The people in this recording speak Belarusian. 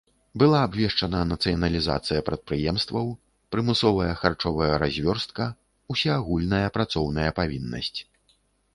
Была абвешчана нацыяналізацыя прадпрыемстваў, прымусовая харчовая развёрстка, усеагульная працоўная павіннасць.